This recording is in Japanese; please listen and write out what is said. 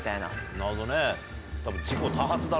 なるほどね。